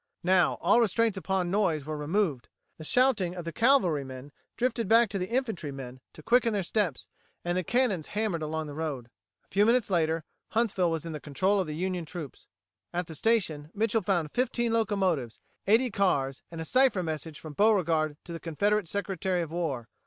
Now all restraints upon noise were removed. The shouting of the cavalrymen drifted back to the infantrymen to quicken their steps, and the cannons hammered along the road. A few minutes later, Huntsville was in the control of the Union troops. At the station, Mitchel found fifteen locomotives, eighty cars, and a cipher message from Beauregard to the Confederate Secretary of War.